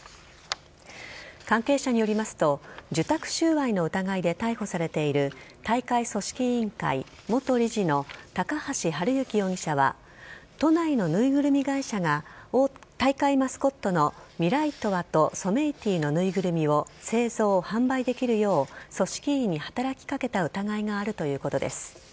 関係者によりますと受託収賄の疑いで逮捕されている大会組織委員会元理事の高橋治之容疑者は都内のぬいぐるみ会社が大会マスコットのミライトワとソメイティのぬいぐるみを製造・販売できるよう組織委に働きかけた疑いがあるということです。